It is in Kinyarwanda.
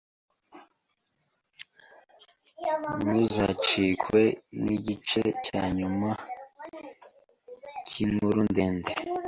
Ntuzacikwe nigice cyanyuma k'inkuru ndende